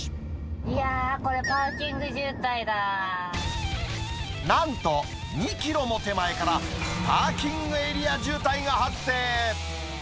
いやー、これ、パーキング渋なんと、２キロも手前からパーキングエリア渋滞が発生。